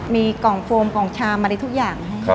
มีกล่องโฟมกล่องชามอะไรทุกอย่าง